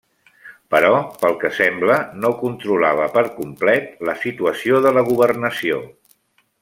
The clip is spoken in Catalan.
Però pel que sembla, no controlava per complet la situació de la governació.